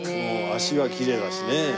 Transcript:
脚はきれいだしね。